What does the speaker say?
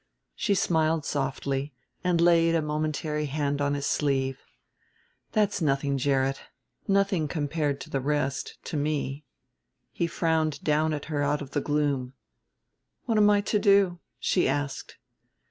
She smiled softly and laid a momentary hand on his sleeve. "That's nothing, Gerrit; nothing compared to the rest, to me." He frowned down at her out of the gloom. "What am I to do?" she asked.